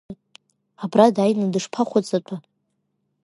Абра дааины дышԥахәыҵатәа?